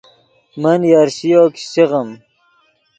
من یرشِیو کیشچے غیم